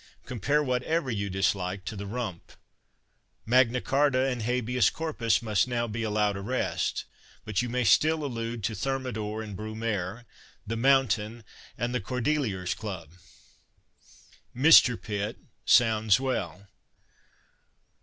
Compare whatever you dis like to the Rump. Magna Charta and Habeas Corpus must now be allowed a rest, but you may still allude to Thermidor and Brumaire, the Moim tain and the Cordeliers Club. " Mr." Pitt sounds well.